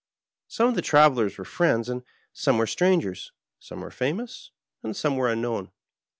8ome of the travelers were friends and some were strangers, some were famous and some were unknown.